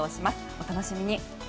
お楽しみに。